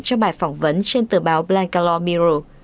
trong bài phỏng vấn trên tờ báo blanket